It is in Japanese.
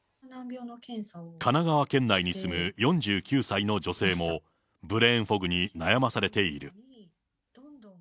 神奈川県内に住む４９歳の女性も、ブレーンフォグに悩まされている。